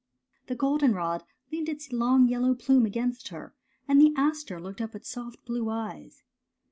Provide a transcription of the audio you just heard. The goldenrod leaned its long yellow plume against her, and the aster looked up with soft blue eyes.